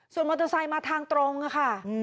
ส่วนมอเตอร์ไซค์มาทางตรงค่ะ